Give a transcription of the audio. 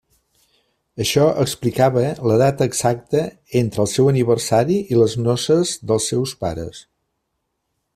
Això explicava la data exacta entre el seu aniversari i les noces dels seus pares.